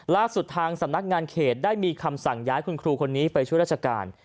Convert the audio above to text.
ล่าสุดทางสำนักงานเขตได้มีคำสั่งย้ายคุณครูคนนี้ไปช่วยราชการ